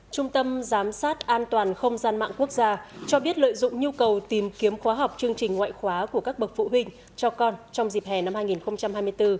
trung tâm giám sát an toàn không gian mạng quốc gia cho biết lợi dụng nhu cầu tìm kiếm khóa học chương trình ngoại khóa của các bậc phụ huynh cho con trong dịp hè năm hai nghìn hai mươi bốn